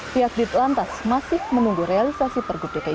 pihak di telantas masih menunggu realisasi pergub dki jawa